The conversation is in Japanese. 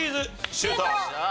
シュート！